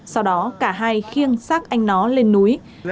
sau đó cả hai khiêng xác anh nó lên núi